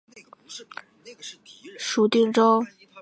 属定州。